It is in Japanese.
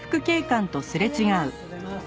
おはようございます！